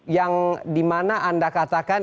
yang dimana anda katakan